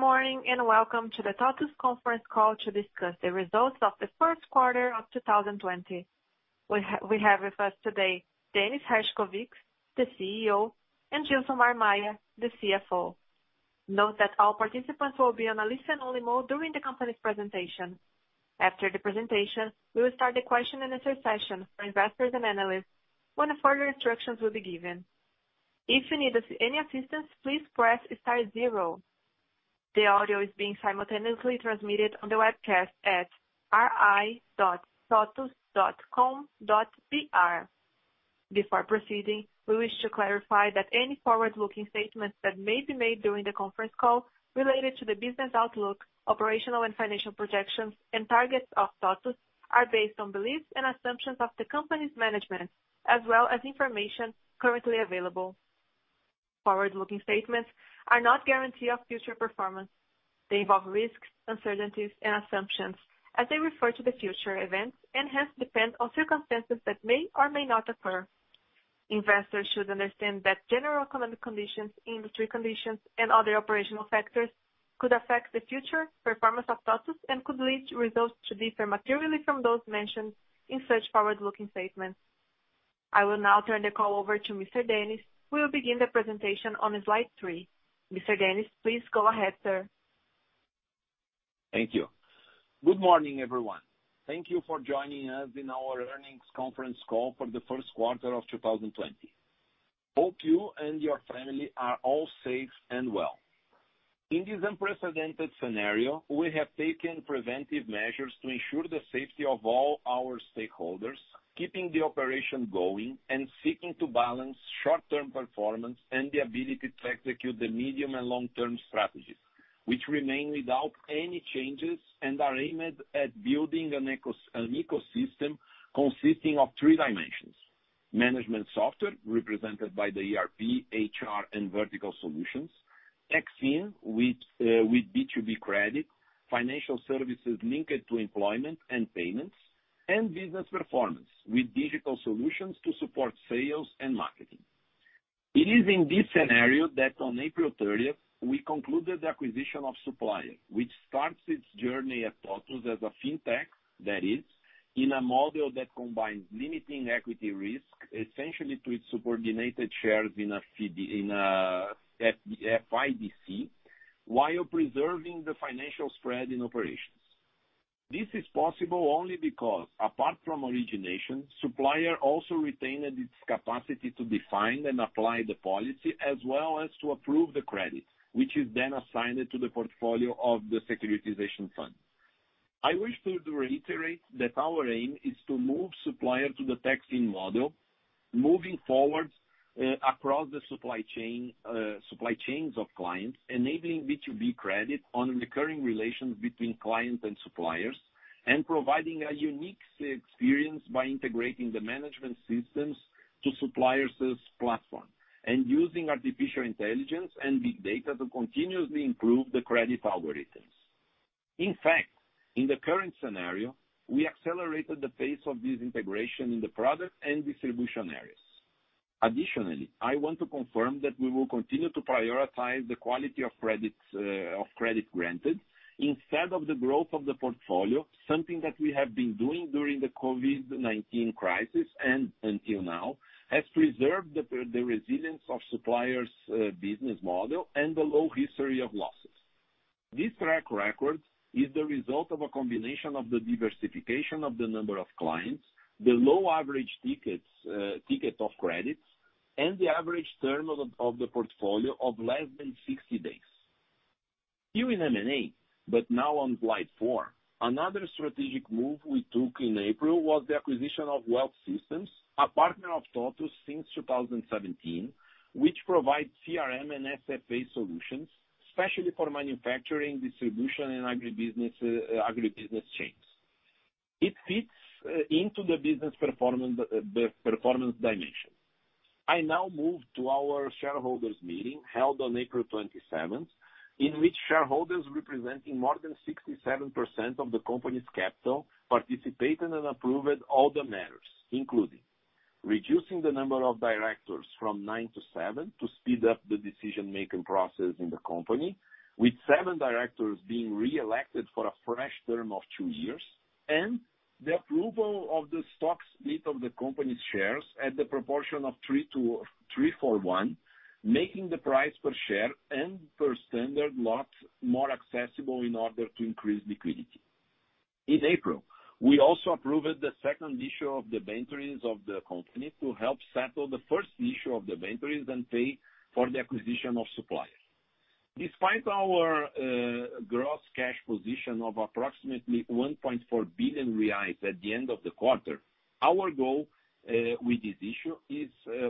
Good morning and welcome to the TOTVS Conference Call to discuss the results of the first quarter of 2020. We have with us today Dennis Herszkowicz, the CEO, and Gilsomar Maia, the CFO. Note that all participants will be on a listen-only mode during the company's presentation. After the presentation, we will start the question and answer session for investors and analysts, when further instructions will be given. If you need any assistance, please press star zero. The audio is being simultaneously transmitted on the webcast at ri.totvs.com.br. Before proceeding, we wish to clarify that any forward-looking statements that may be made during the conference call related to the business outlook, operational and financial projections, and targets of TOTVS are based on beliefs and assumptions of the company's management, as well as information currently available. Forward-looking statements are not a guarantee of future performance. They involve risks, uncertainties, and assumptions, as they refer to the future events and, hence, depend on circumstances that may or may not occur. Investors should understand that general economic conditions, industry conditions, and other operational factors could affect the future performance of TOTVS and could lead results to differ materially from those mentioned in such forward-looking statements. I will now turn the call over to Mr. Dennis. We will begin the presentation on slide three. Mr. Dennis, please go ahead, sir. Thank you. Good morning, everyone. Thank you for joining us in our earnings conference call for the first quarter of 2020. Hope you and your family are all safe and well. In this unprecedented scenario, we have taken preventive measures to ensure the safety of all our stakeholders, keeping the operation going, and seeking to balance short-term performance and the ability to execute the medium and long-term strategies, which remain without any changes and are aimed at building an ecosystem consisting of three dimensions: Management software, represented by the ERP, HR, and vertical solutions, Techfin, with B2B credit, financial services linked to employment and payments, and Business Performance, with digital solutions to support sales and marketing. It is in this scenario that on April 30th, we concluded the acquisition of Supplier, which starts its journey at TOTVS as a fintech, that is, in a model that combines limiting equity risk, essentially to its subordinated shares in FIDC, while preserving the financial spread in operations. This is possible only because, apart from origination, Supplier also retained its capacity to define and apply the policy, as well as to approve the credit, which is then assigned to the portfolio of the securitization fund. I wish to reiterate that our aim is to move Supplier to the Techfin model, moving forward across the supply chains of clients, enabling B2B credit on recurring relations between clients and suppliers, and providing a unique experience by integrating the management systems to Supplier's platform, and using artificial intelligence and big data to continuously improve the credit algorithms. In fact, in the current scenario, we accelerated the pace of this integration in the product and distribution areas. Additionally, I want to confirm that we will continue to prioritize the quality of credit granted instead of the growth of the portfolio, something that we have been doing during the COVID-19 crisis and until now has preserved the resilience of Supplier's business model and the low history of losses. This track record is the result of a combination of the diversification of the number of clients, the low average ticket of credits, and the average term of the portfolio of less than 60 days. Here in M&A, but now on slide four, another strategic move we took in April was the acquisition of Wealth Systems, a partner of TOTVS since 2017, which provides CRM and SFA solutions, especially for manufacturing, distribution, and agribusiness chains. It fits into the business performance dimension. I now move to our shareholders' meeting held on April 27th, in which shareholders representing more than 67% of the company's capital participated and approved all the matters, including reducing the number of directors from nine to seven to speed up the decision-making process in the company, with seven directors being re-elected for a fresh term of two years, and the approval of the stock split of the company's shares at the proportion of three for one, making the price per share and per standard lot more accessible in order to increase liquidity. In April, we also approved the second issue of the debentures of the company to help settle the first issue of the debentures and pay for the acquisition of Supplier. Despite our gross cash position of approximately 1.4 billion reais at the end of the quarter, our goal with this issue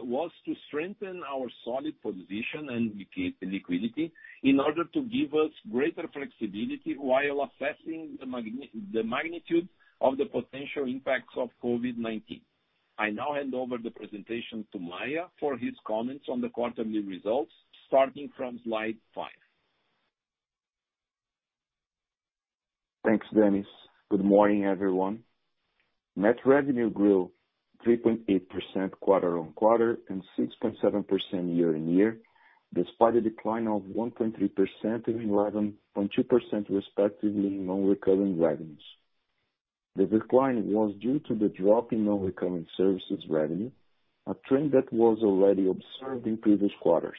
was to strengthen our solid position and liquidity in order to give us greater flexibility while assessing the magnitude of the potential impacts of COVID-19. I now hand over the presentation to Maia for his comments on the quarterly results, starting from slide five. Thanks, Dennis. Good morning, everyone. Net revenue grew 3.8% QoQ and 6.7% YoY, despite a decline of 1.3% and 11.2%, respectively, in non-recurring revenues. The decline was due to the drop in non-recurring services revenue, a trend that was already observed in previous quarters,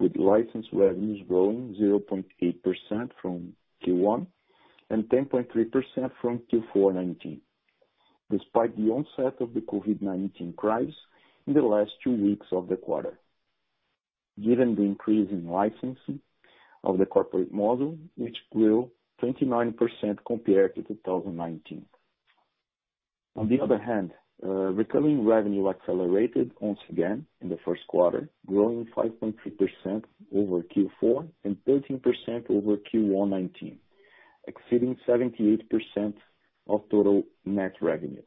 with license revenues growing 0.8% from Q1 and 10.3% from Q4 2019, despite the onset of the COVID-19 crisis in the last two weeks of the quarter, given the increase in licensing of the corporate model, which grew 29% compared to 2019. On the other hand, recurring revenue accelerated once again in the first quarter, growing 5.3% over Q4 and 13% over Q1 2019, exceeding 78% of total net revenue.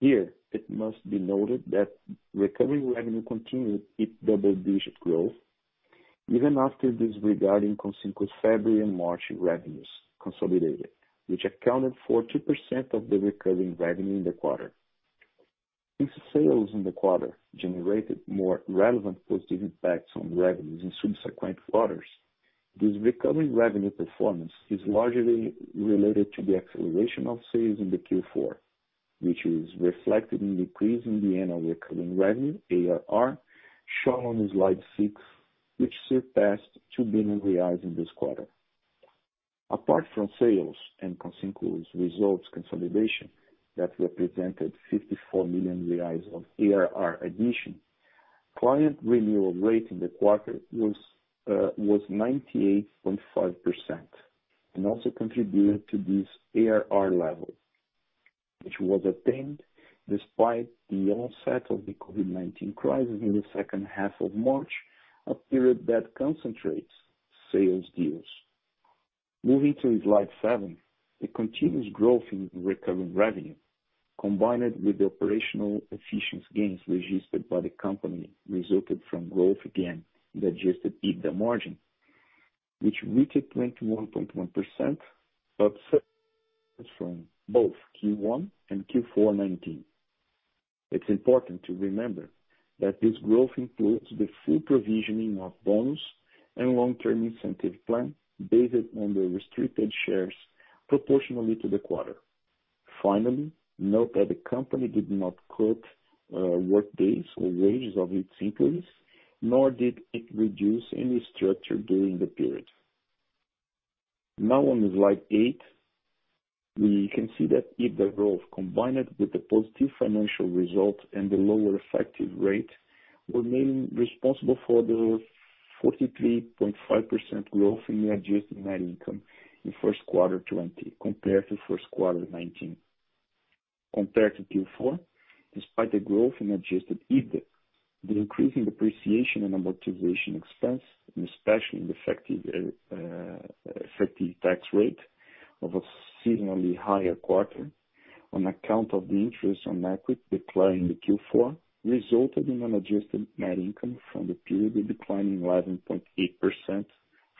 Here, it must be noted that recurring revenue continued its double digit growth, even after disregarding consecutive February and March revenues consolidated, which accounted for 2% of the recurring revenue in the quarter. Since sales in the quarter generated more relevant positive impacts on revenues in subsequent quarters, this recurring revenue performance is largely related to the acceleration of sales in Q4, which is reflected in the increase in the annual recurring revenue, ARR, shown on slide six, which surpassed 2 billion reais in this quarter. Apart from sales and consecutive results consolidation that represented 54 million reais of ARR addition, client renewal rate in the quarter was 98.5% and also contributed to this ARR level, which was attained despite the onset of the COVID-19 crisis in the second half of March, a period that concentrates sales deals. Moving to slide seven, the continuous growth in recurring revenue, combined with the operational efficiency gains registered by the company, resulted in growth again in the adjusted EBITDA margin, which reached 21.1%, up from both Q1 and Q4 2019. It's important to remember that this growth includes the full provisioning of bonus and long-term incentive plan based on the restricted shares proportionally to the quarter. Finally, note that the company did not cut workdays or wages of its employees, nor did it reduce any structure during the period. Now, on slide eight, we can see that EBITDA growth, combined with the positive financial results and the lower effective rate, were mainly responsible for the 43.5% growth in the adjusted net income in first quarter 2020 compared to first quarter 2019. Compared to Q4, despite the growth in adjusted EBITDA, the increase in depreciation and amortization expense, and especially the effective tax rate of a seasonally higher quarter on account of the interest on equity declared in Q4, resulted in an adjusted net income from the period declining 11.8%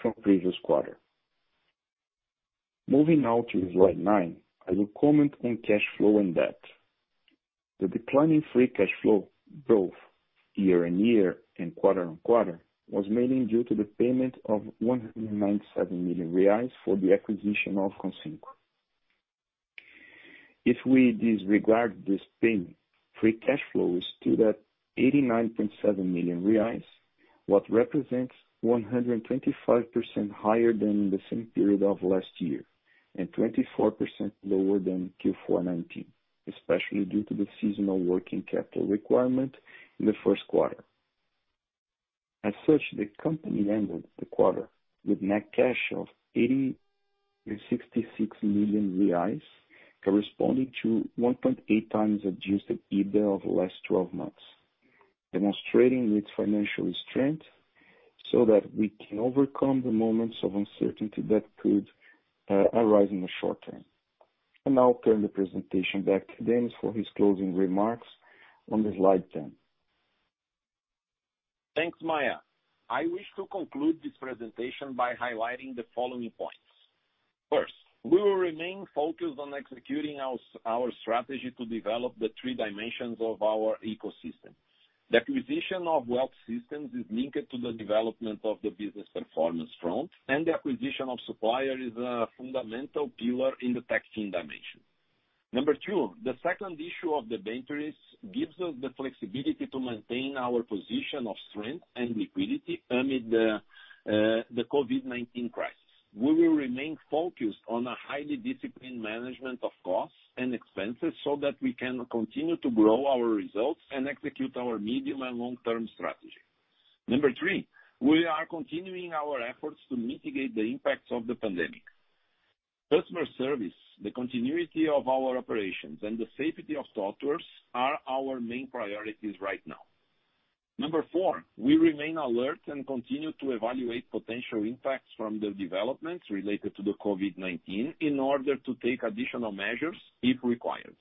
from previous quarter. Moving now to slide nine, I will comment on cash flow and debt. The declining free cash flow growth year on year and quarter on quarter was mainly due to the payment of 197 million reais for the acquisition of Consinco. If we disregard this payment, free cash flow is still at 89.7 million reais, what represents 125% higher than the same period of last year and 24% lower than Q4 2019, especially due to the seasonal working capital requirement in the first quarter. As such, the company ended the quarter with net cash of 80.66 million reais, corresponding to 1.8 times adjusted EBITDA of the last 12 months, demonstrating its financial strength so that we can overcome the moments of uncertainty that could arise in the short term. And I'll turn the presentation back to Dennis for his closing remarks on slide 10. Thanks, Maia. I wish to conclude this presentation by highlighting the following points. First, we will remain focused on executing our strategy to develop the three dimensions of our ecosystem. The acquisition of Wealth Systems is linked to the development of the business performance front, and the acquisition of Supplier is a fundamental pillar in the Techfin dimension. Number two, the second issue of the debentures gives us the flexibility to maintain our position of strength and liquidity amid the COVID-19 crisis. We will remain focused on a highly disciplined management of costs and expenses so that we can continue to grow our results and execute our medium and long-term strategy. Number three, we are continuing our efforts to mitigate the impacts of the pandemic. Customer service, the continuity of our operations, and the safety of Totvers are our main priorities right now. Number four, we remain alert and continue to evaluate potential impacts from the developments related to the COVID-19 in order to take additional measures if required.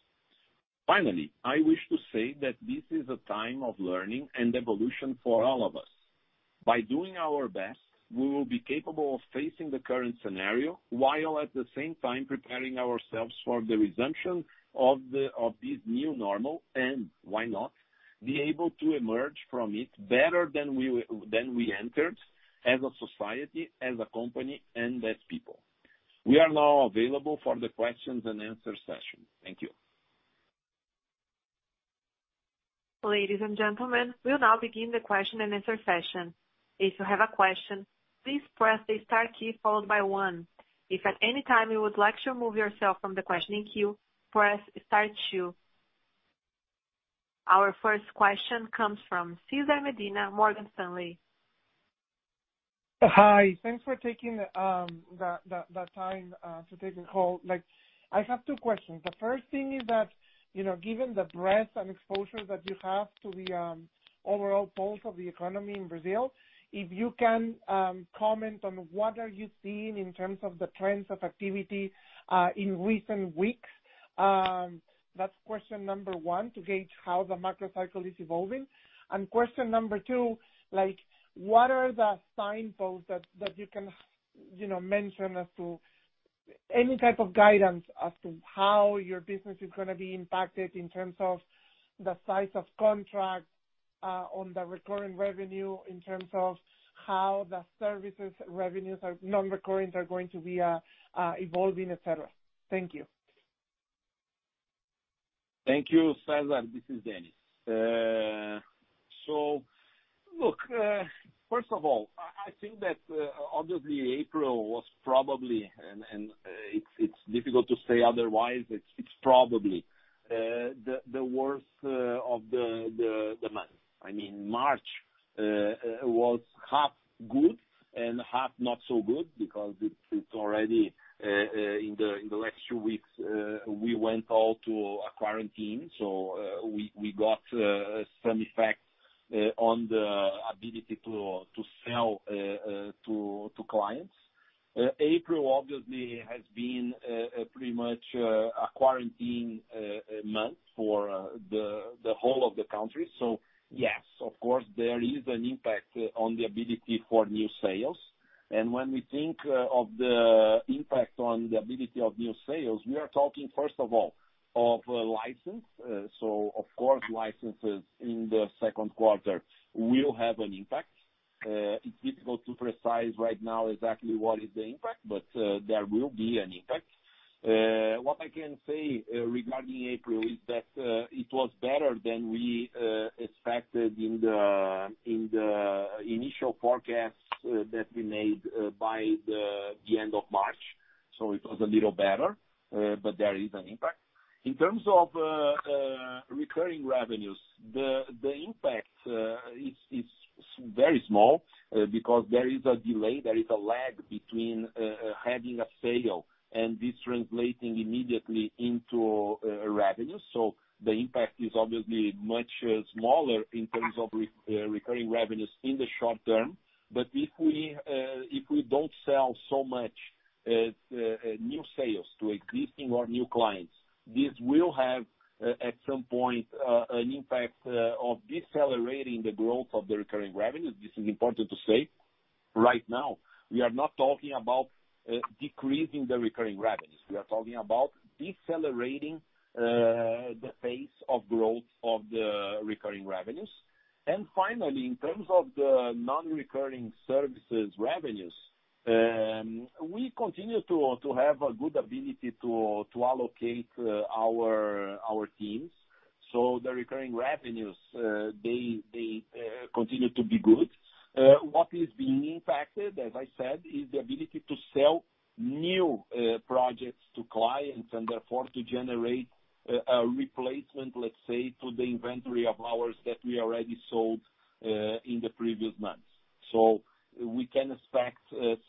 Finally, I wish to say that this is a time of learning and evolution for all of us. By doing our best, we will be capable of facing the current scenario while at the same time preparing ourselves for the resumption of this new normal, and why not, be able to emerge from it better than we entered as a society, as a company, and as people. We are now available for the questions and answers session. Thank you. Ladies and gentlemen, we'll now begin the question and answer session. If you have a question, please press the star key followed by one. If at any time you would like to remove yourself from the questioning queue, press star two. Our first question comes from Cesar Medina, Morgan Stanley. Hi. Thanks for taking the time to take the call. I have two questions. The first thing is that, given the breadth and exposure that you have to the overall pulse of the economy in Brazil, if you can comment on what are you seeing in terms of the trends of activity in recent weeks, that's question number one to gauge how the macro cycle is evolving. And question number two, what are the signposts that you can mention as to any type of guidance as to how your business is going to be impacted in terms of the size of contract on the recurring revenue, in terms of how the services revenues are non-recurring, are going to be evolving, etc.? Thank you. Thank you, Cesar. This is Dennis. So look, first of all, I think that obviously April was probably, and it's difficult to say otherwise, it's probably the worst of the months. I mean, March was half good and half not so good because it's already in the last few weeks, we went all to quarantine, so we got some effect on the ability to sell to clients. April obviously has been pretty much a quarantine month for the whole of the country. So yes, of course, there is an impact on the ability for new sales. And when we think of the impact on the ability of new sales, we are talking, first of all, of license. So of course, licenses in the second quarter will have an impact. It's difficult to predict right now exactly what is the impact, but there will be an impact. What I can say regarding April is that it was better than we expected in the initial forecasts that we made by the end of March. So it was a little better, but there is an impact. In terms of recurring revenues, the impact is very small because there is a delay, there is a lag between having a sale and this translating immediately into revenue. So the impact is obviously much smaller in terms of recurring revenues in the short term. But if we don't sell so much new sales to existing or new clients, this will have at some point an impact of decelerating the growth of the recurring revenues. This is important to say. Right now, we are not talking about decreasing the recurring revenues. We are talking about decelerating the pace of growth of the recurring revenues. Finally, in terms of the non-recurring services revenues, we continue to have a good ability to allocate our teams. The recurring revenues, they continue to be good. What is being impacted, as I said, is the ability to sell new projects to clients and therefore to generate a replacement, let's say, to the inventory of hours that we already sold in the previous months. We can expect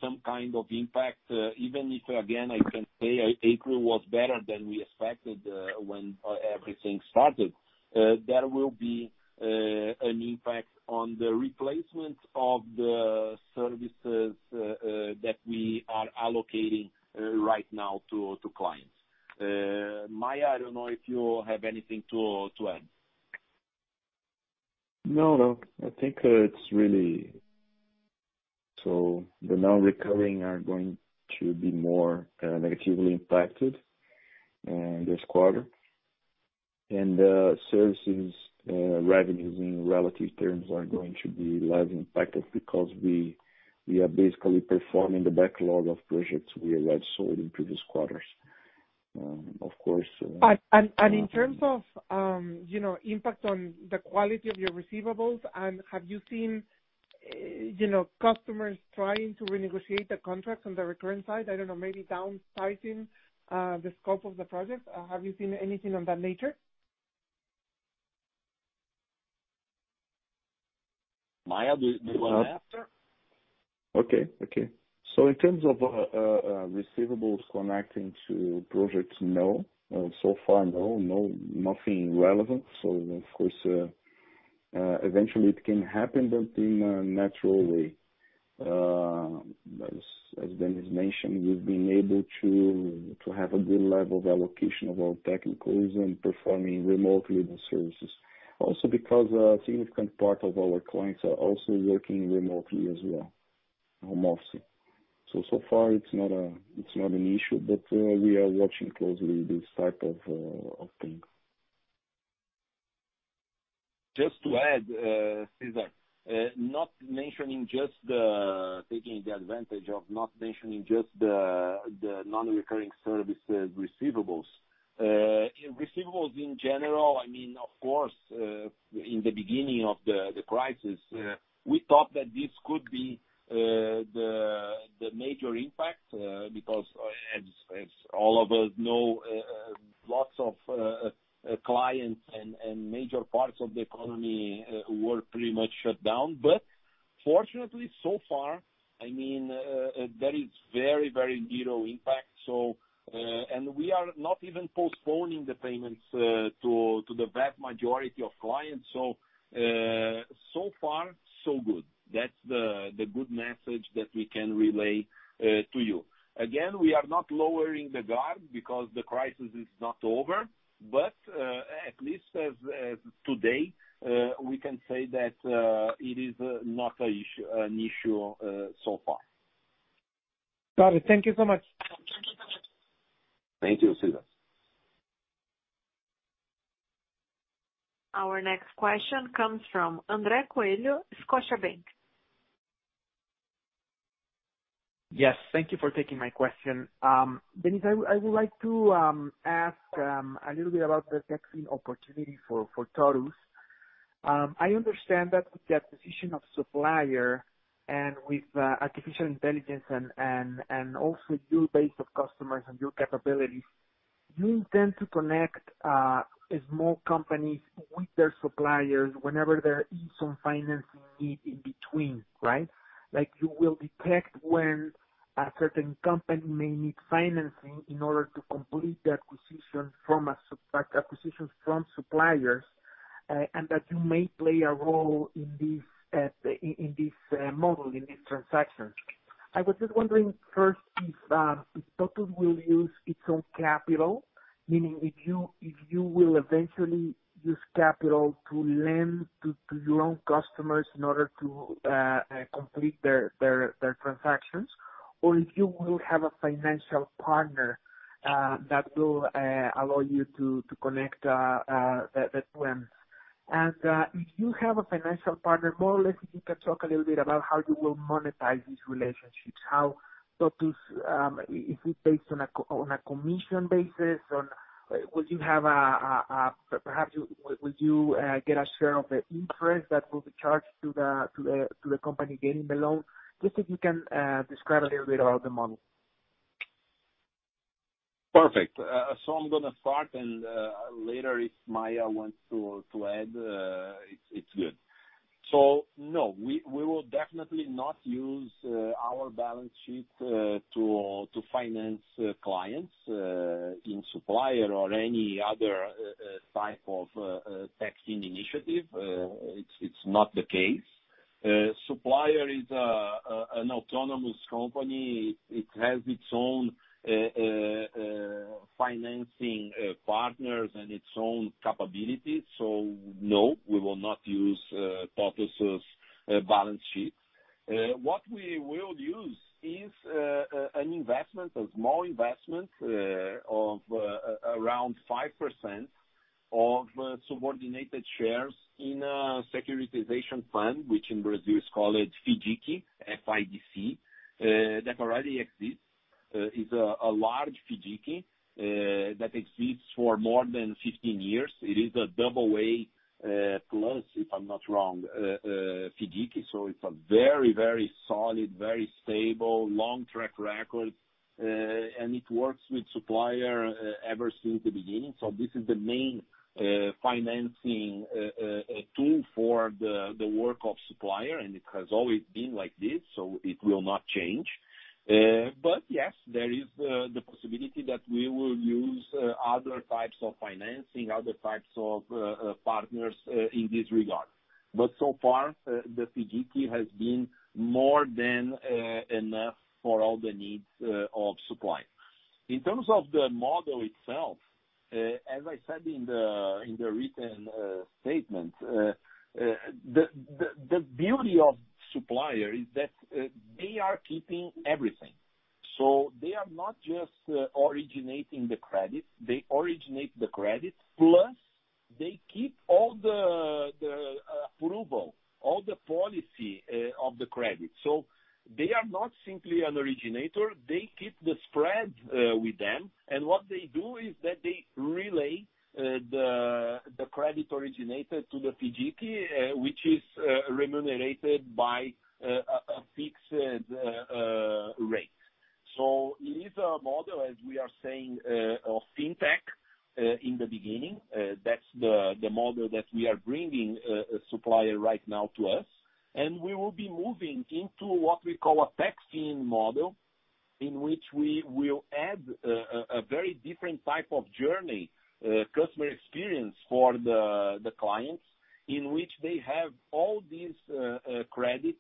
some kind of impact, even if, again, I can say April was better than we expected when everything started. There will be an impact on the replacement of the services that we are allocating right now to clients. Maia, I don't know if you have anything to add. No, no. I think it's really, so the non-recurring are going to be more negatively impacted this quarter, and the services revenues in relative terms are going to be less impacted because we are basically performing the backlog of projects we already sold in previous quarters. Of course. In terms of impact on the quality of your receivables, have you seen customers trying to renegotiate the contract on the recurring side? I don't know, maybe downsizing the scope of the project. Have you seen anything of that nature? Maia, do you want to ask? Okay. Okay. So in terms of receivables connecting to projects, no. So far, no. Nothing relevant. So of course, eventually it can happen, but in a natural way. As Dennis mentioned, we've been able to have a good level of allocation of our technicals and performing remotely the services. Also because a significant part of our clients are also working remotely as well, mostly. So so far, it's not an issue, but we are watching closely this type of thing. Just to add, Cesar. Not just the non-recurring services receivables. Receivables in general, I mean, of course, in the beginning of the crisis, we thought that this could be the major impact because, as all of us know, lots of clients and major parts of the economy were pretty much shut down. But fortunately, so far, I mean, there is very, very little impact. And we are not even postponing the payments to the vast majority of clients. So far, so good. That's the good message that we can relay to you. Again, we are not lowering the guard because the crisis is not over, but at least as of today, we can say that it is not an issue so far. Got it. Thank you so much. Thank you so much. Thank you, Cesar. Our next question comes from Andres Coello, Scotiabank. Yes. Thank you for taking my question. Dennis, I would like to ask a little bit about the Techfin opportunity for TOTVS. I understand that with the acquisition of Supplier and with artificial intelligence and also your base of customers and your capabilities, you intend to connect small companies with their suppliers whenever there is some financing need in between, right? You will detect when a certain company may need financing in order to complete the acquisition from suppliers, and that you may play a role in this model, in this transaction. I was just wondering first if TOTVS will use its own capital, meaning if you will eventually use capital to lend to your own customers in order to complete their transactions, or if you will have a financial partner that will allow you to connect the two. If you have a financial partner, more or less, if you can talk a little bit about how you will monetize these relationships, how TOTVS, is it based on a commission basis? Will you, perhaps, get a share of the interest that will be charged to the company getting the loan? Just if you can describe a little bit about the model. Perfect. So I'm going to start, and later if Maia wants to add, it's good. So no, we will definitely not use our balance sheet to finance clients in Supplier or any other type of Techfin initiative. It's not the case. Supplier is an autonomous company. It has its own financing partners and its own capabilities. So no, we will not use TOTVS's balance sheet. What we will use is an investment, a small investment of around 5% of subordinated shares in a securitization fund, which in Brazil is called FIDC, F-I-D-C. That already exists. It's a large FIDC that exists for more than 15 years. It is a AA+, if I'm not wrong, FIDC. So it's a very, very solid, very stable, long track record, and it works with Supplier ever since the beginning. So this is the main financing tool for the work of Supplier, and it has always been like this, so it will not change. But yes, there is the possibility that we will use other types of financing, other types of partners in this regard. But so far, the FIDC has been more than enough for all the needs of Supplier. In terms of the model itself, as I said in the written statement, the beauty of Supplier is that they are keeping everything. So they are not just originating the credit. They originate the credit, plus they keep all the approval, all the policy of the credit. So they are not simply an originator. They keep the spread with them. And what they do is that they relay the credit originator to the FIDC, which is remunerated by a fixed rate. So it is a model, as we are saying, of fintech in the beginning. That's the model that we are bringing Supplier right now to us. And we will be moving into what we call a Techfin model in which we will add a very different type of journey, customer experience for the clients in which they have all these credits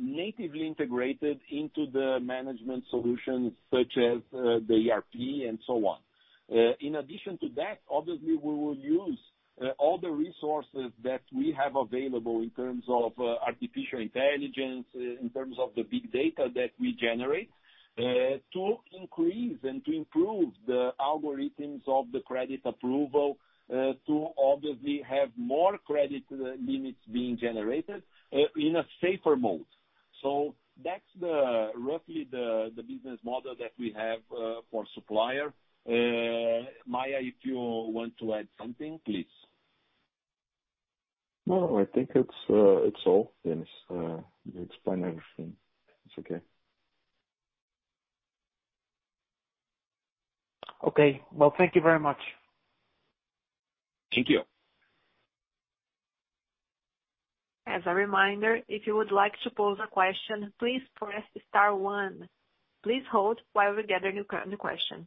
natively integrated into the management solutions such as the ERP and so on. In addition to that, obviously, we will use all the resources that we have available in terms of artificial intelligence, in terms of the big data that we generate to increase and to improve the algorithms of the credit approval to obviously have more credit limits being generated in a safer mode. So that's roughly the business model that we have for Supplier. Maia, if you want to add something, please. No, I think it's all, Dennis. You explained everything. It's okay. Okay, well, thank you very much. Thank you. As a reminder, if you would like to pose a question, please press star one. Please hold while we gather new questions.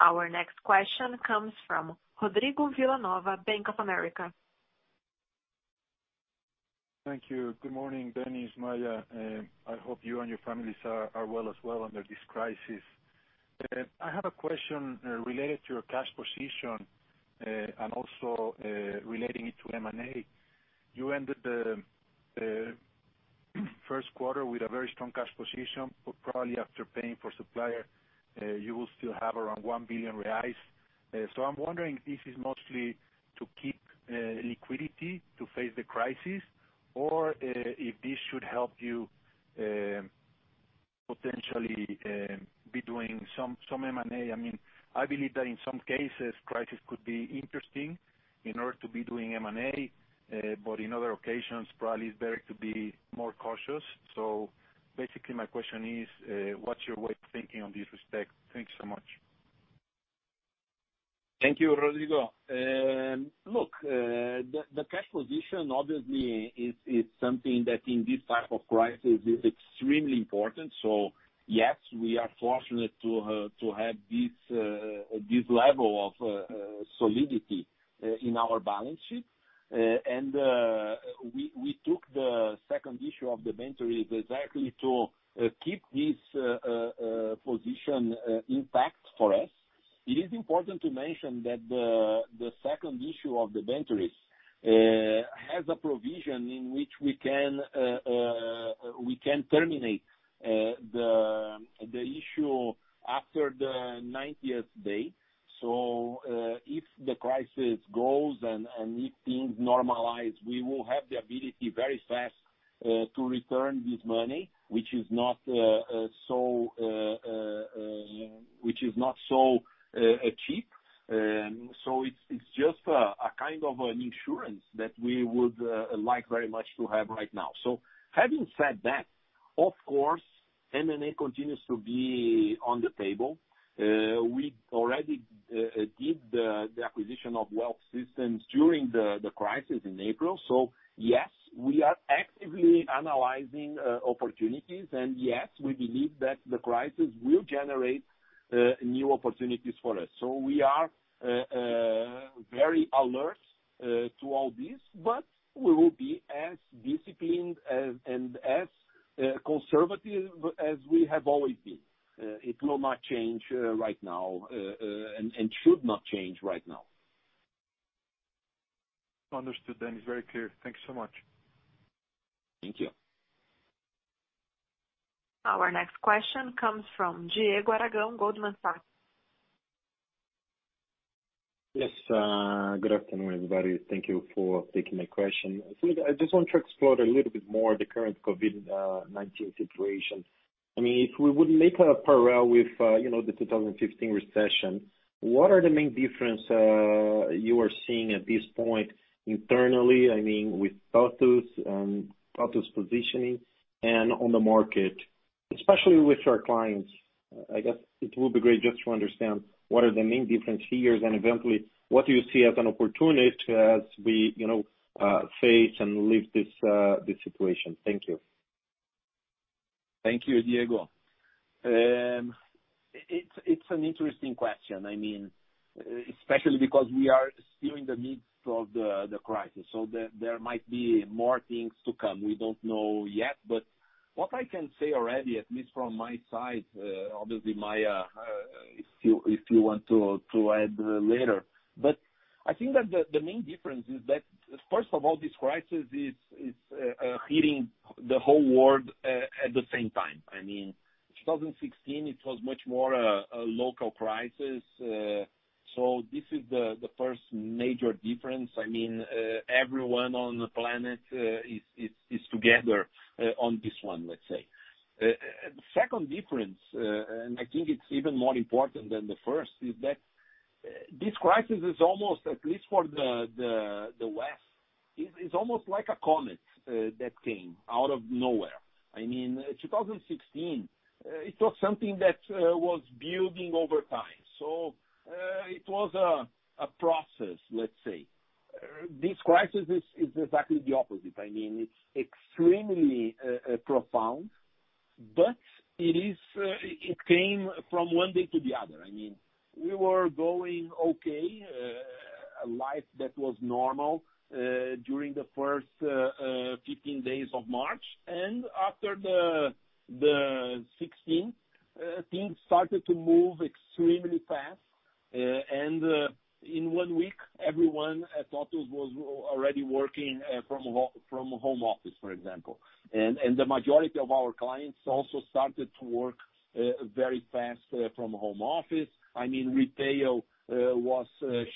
Our next question comes from Rodrigo Villanueva, Bank of America. Thank you. Good morning, Dennis, Maia. I hope you and your families are well as well under this crisis. I have a question related to your cash position and also relating it to M&A. You ended the first quarter with a very strong cash position, but probably after paying for Supplier, you will still have around 1 billion reais. So I'm wondering if this is mostly to keep liquidity to face the crisis, or if this should help you potentially be doing some M&A. I mean, I believe that in some cases, crisis could be interesting in order to be doing M&A, but in other occasions, probably it's better to be more cautious. So basically, my question is, what's your way of thinking on this respect? Thank you so much. Thank you, Rodrigo. Look, the cash position, obviously, is something that in this type of crisis is extremely important. So yes, we are fortunate to have this level of solidity in our balance sheet, and we took the second issue of the debentures exactly to keep this position intact for us. It is important to mention that the second issue of the debentures has a provision in which we can terminate the issue after the 90th day. So if the crisis goes and if things normalize, we will have the ability very fast to return this money, which is not so cheap. So it's just a kind of an insurance that we would like very much to have right now. So having said that, of course, M&A continues to be on the table. We already did the acquisition of Wealth Systems during the crisis in April. So yes, we are actively analyzing opportunities. And yes, we believe that the crisis will generate new opportunities for us. So we are very alert to all this, but we will be as disciplined and as conservative as we have always been. It will not change right now and should not change right now. Understood, Dennis. Very clear. Thank you so much. Thank you. Our next question comes from Diego Aragão, Goldman Sachs. Yes. Good afternoon, everybody. Thank you for taking my question. I just want to explore a little bit more the current COVID-19 situation. I mean, if we would make a parallel with the 2015 recession, what are the main differences you are seeing at this point internally, I mean, with TOTVS and TOTVS positioning and on the market, especially with your clients? I guess it will be great just to understand what are the main differences here and eventually what do you see as an opportunity as we face and live this situation. Thank you. Thank you, Diego. It's an interesting question. I mean, especially because we are still in the midst of the crisis. There might be more things to come. We don't know yet. What I can say already, at least from my side, obviously, Maia, if you want to add later. I think that the main difference is that, first of all, this crisis is hitting the whole world at the same time. I mean, 2016, it was much more a local crisis. This is the first major difference. I mean, everyone on the planet is together on this one, let's say. The second difference, and I think it's even more important than the first, is that this crisis is almost, at least for the West, it's almost like a comet that came out of nowhere. I mean, 2016, it was something that was building over time. So it was a process, let's say. This crisis is exactly the opposite. I mean, it's extremely profound, but it came from one day to the other. I mean, we were going okay, a life that was normal during the first 15 days of March. And after the 16th, things started to move extremely fast. And in one week, everyone at TOTVS was already working from home office, for example. And the majority of our clients also started to work very fast from home office. I mean, retail was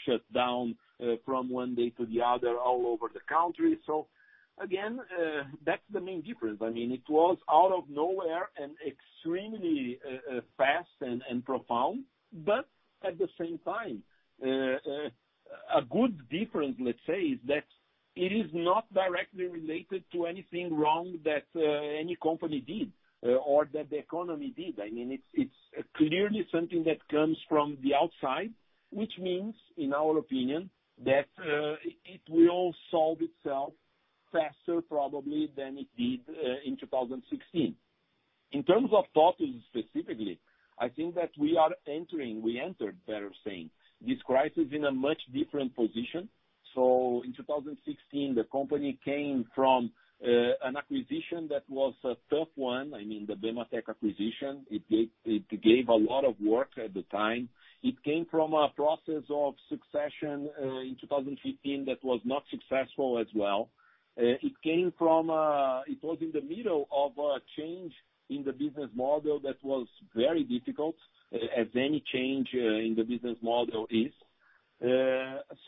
shut down from one day to the other all over the country. So again, that's the main difference. I mean, it was out of nowhere and extremely fast and profound. But at the same time, a good difference, let's say, is that it is not directly related to anything wrong that any company did or that the economy did. I mean, it's clearly something that comes from the outside, which means, in our opinion, that it will solve itself faster, probably, than it did in 2016. In terms of TOTVS specifically, I think that we are entering, we entered, better saying, this crisis in a much different position. So in 2016, the company came from an acquisition that was a tough one. I mean, the Bematech acquisition. It gave a lot of work at the time. It came from a process of succession in 2015 that was not successful as well. It came from it was in the middle of a change in the business model that was very difficult, as any change in the business model is.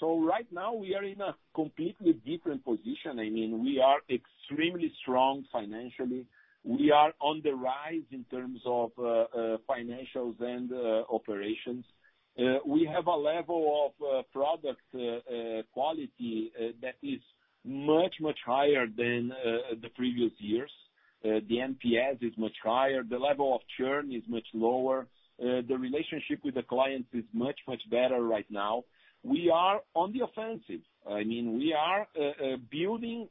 So right now, we are in a completely different position. I mean, we are extremely strong financially. We are on the rise in terms of financials and operations. We have a level of product quality that is much, much higher than the previous years. The NPS is much higher. The level of churn is much lower. The relationship with the clients is much, much better right now. We are on the offensive. I mean, we are building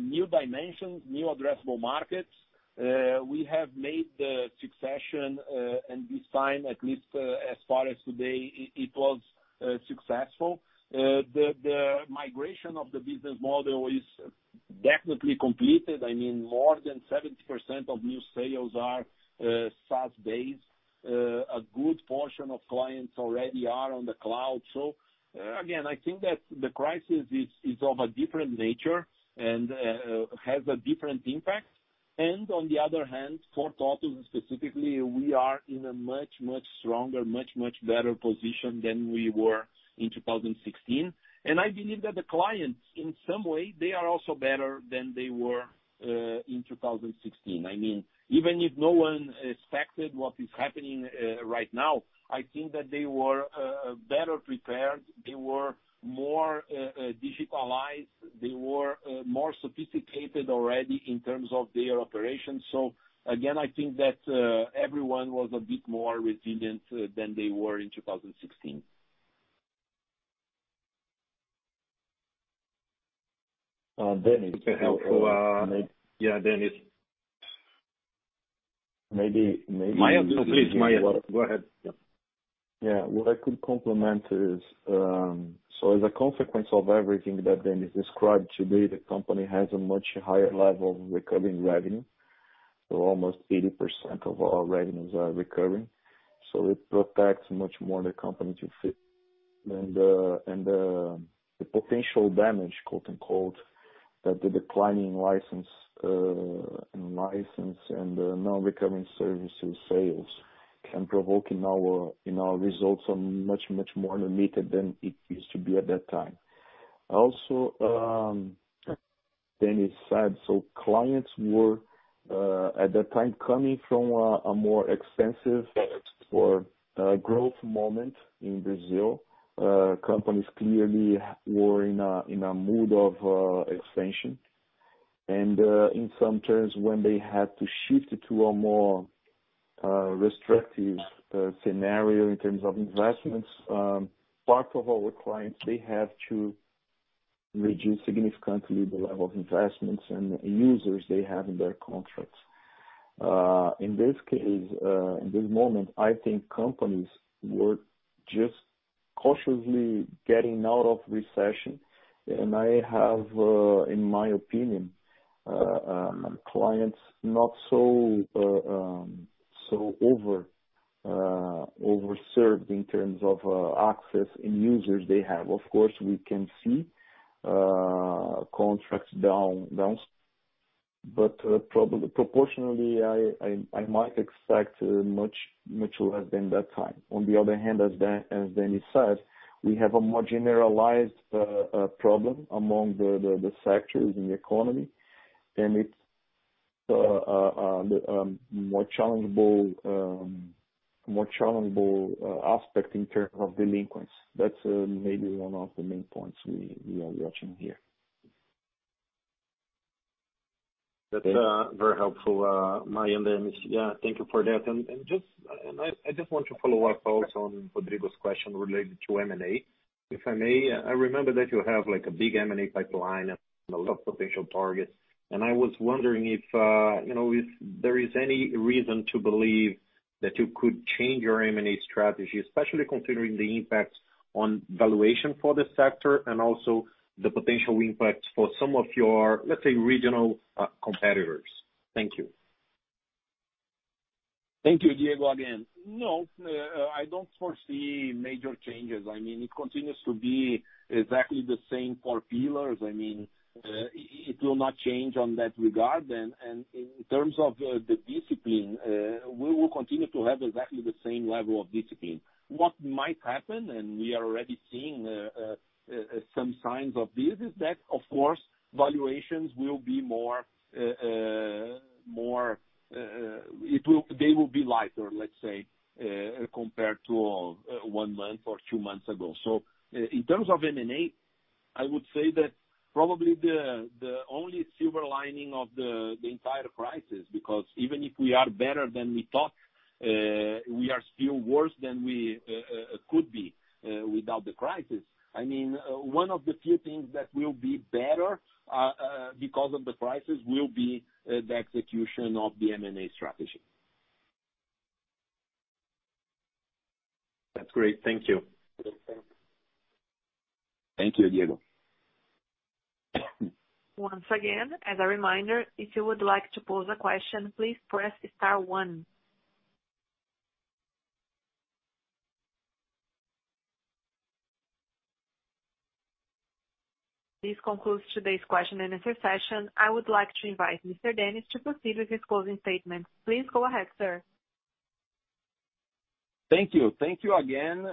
new dimensions, new addressable markets. We have made the succession. And this time, at least as far as today, it was successful. The migration of the business model is definitely completed. I mean, more than 70% of new sales are SaaS-based. A good portion of clients already are on the cloud. So again, I think that the crisis is of a different nature and has a different impact. And on the other hand, for TOTVS specifically, we are in a much, much stronger, much, much better position than we were in 2016. I believe that the clients, in some way, they are also better than they were in 2016. I mean, even if no one expected what is happening right now, I think that they were better prepared. They were more digitalized. They were more sophisticated already in terms of their operations. Again, I think that everyone was a bit more resilient than they were in 2016. Dennis, if you want to, yeah, Dennis. Maybe you can. Maia, please, Maia. Go ahead. Yeah. What I could complement is, so as a consequence of everything that Dennis described today, the company has a much higher level of recurring revenue, so almost 80% of our revenues are recurring, so it protects much more the company today than the potential damage, quote unquote, that the declining license and license and non-recurring services sales can provoke in our results are much, much more limited than it used to be at that time. Also, Dennis said, so clients were at that time coming from a more expansive or growth moment in Brazil. Companies clearly were in a mood of expansion, and in some terms, when they had to shift to a more restrictive scenario in terms of investments, part of our clients, they have to reduce significantly the level of investments and users they have in their contracts. In this case, in this moment, I think companies were just cautiously getting out of recession. And I have, in my opinion, clients not so overserved in terms of access and users they have. Of course, we can see contracts down. But proportionally, I might expect much, much less than that time. On the other hand, as Dennis said, we have a more generalized problem among the sectors in the economy. And it's a more challenging aspect in terms of delinquency. That's maybe one of the main points we are watching here. That's very helpful, Maia and Dennis. Yeah, thank you for that. And I just want to follow up also on Rodrigo's question related to M&A. If I may, I remember that you have a big M&A pipeline and a lot of potential targets. And I was wondering if there is any reason to believe that you could change your M&A strategy, especially considering the impact on valuation for the sector and also the potential impact for some of your, let's say, regional competitors. Thank you. Thank you, Diego, again. No, I don't foresee major changes. I mean, it continues to be exactly the same four pillars. I mean, it will not change on that regard. And in terms of the discipline, we will continue to have exactly the same level of discipline. What might happen, and we are already seeing some signs of this, is that, of course, valuations will be more, they will be lighter, let's say, compared to one month or two months ago. So in terms of M&A, I would say that probably the only silver lining of the entire crisis, because even if we are better than we thought, we are still worse than we could be without the crisis. I mean, one of the few things that will be better because of the crisis will be the execution of the M&A strategy. That's great. Thank you. Thank you, Diego. Once again, as a reminder, if you would like to pose a question, please press star one. This concludes today's question and answer session. I would like to invite Mr. Dennis to proceed with his closing statement. Please go ahead, sir. Thank you. Thank you again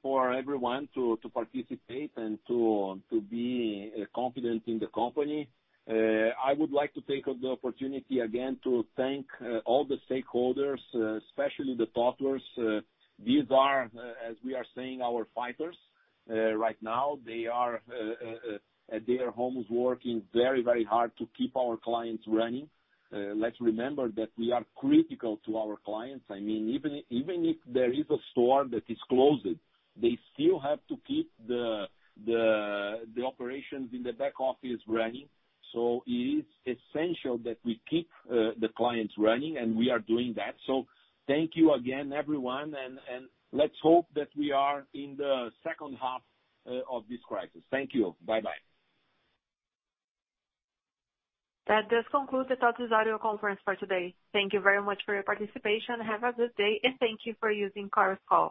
for everyone to participate and to be confident in the company. I would like to take the opportunity again to thank all the stakeholders, especially the Totvers. These are, as we are saying, our fighters right now. They are at their homes working very, very hard to keep our clients running. Let's remember that we are critical to our clients. I mean, even if there is a store that is closed, they still have to keep the operations in the back office running. So it is essential that we keep the clients running, and we are doing that. So thank you again, everyone, and let's hope that we are in the second half of this crisis. Thank you. Bye-bye. That does conclude the TOTVS Audio Conference for today. Thank you very much for your participation. Have a good day and thank you for using Chorus Call.